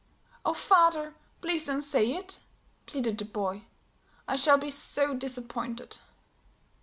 "Oh, father, please don't say it," pleaded the boy; "I shall be so disappointed."